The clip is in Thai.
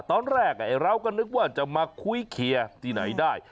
ตอนแรกเราก็นึกว่าจะมาคุยเคลียร์ที่ไหนได้